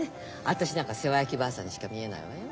私なんか世話焼きばあさんにしか見えないわよ。